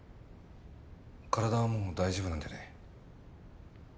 体はもう大丈夫なんだよね？